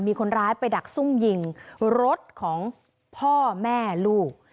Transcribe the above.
มีคนร้ายไปดักซุ่มยิงรถของพ่อแม่ลูก